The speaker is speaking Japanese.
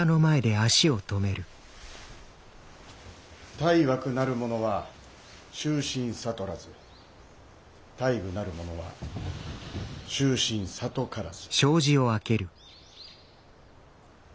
・「大惑なる者は終身さとらず大愚なる者は終身さとからず」。